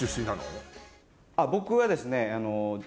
僕はですね。